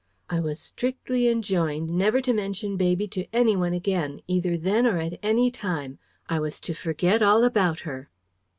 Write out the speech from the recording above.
I was strictly enjoined never to mention baby to anyone again, either then or at any time. I was to forget all about her.